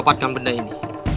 bagaimana kau dapatkan ini